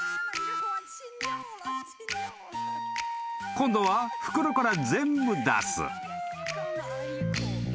［今度は袋から全部出す］